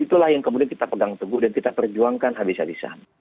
itulah yang kemudian kita pegang teguh dan kita perjuangkan habis habisan